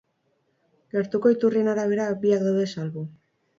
Gertuko iturrien arabera biak daude salbu.